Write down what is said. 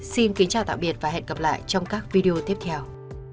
xin kính chào tạm biệt và hẹn gặp lại trong các video tiếp theo